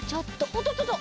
おっとっとっと！